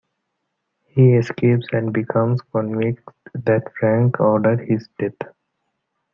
He escapes, and becomes convinced that Frank ordered his death.